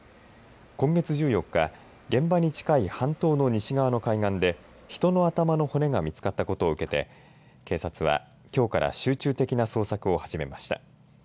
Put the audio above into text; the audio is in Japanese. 今月１４日現場に近い半島の西側の海岸で人の頭の骨が見つかったことを受けて警察は、きょうから集中的な捜索を始めました。